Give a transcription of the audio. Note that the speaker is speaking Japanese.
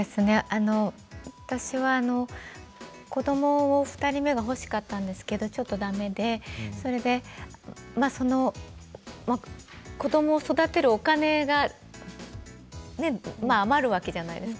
私は子ども２人目が欲しかったんですがちょっとだめでそれで子どもを育てるお金が余るわけじゃないですか。